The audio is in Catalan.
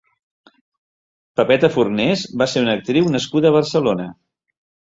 Pepeta Fornés va ser una actriu nascuda a Barcelona.